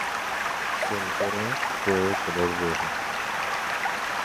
Su uniforme fue de color rojo.